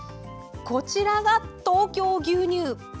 こちらが東京牛乳。